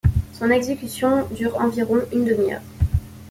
Son exécution dure environ une demi-heure.